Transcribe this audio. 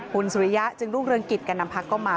คุณสุริยะจึงรุ่งเรืองกิจแก่นำพักก็มา